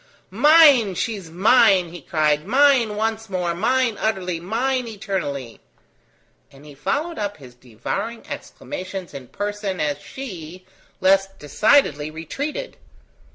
"Mine! She is mine!" he cried: "mine once more! mine utterly! mine eternally!" and he followed up his devouring exclamations in person as she, less decidedly, retreated.